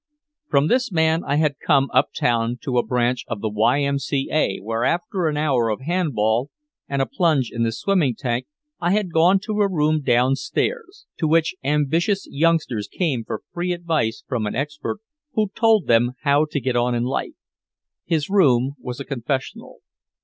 From this man I had come uptown to a branch of the Y. M. C. A., where after an hour of hand ball and a plunge in the swimming tank I had gone to a room downstairs, to which ambitious youngsters came for free advice from an expert who told them how to get on in life. His room was a confessional.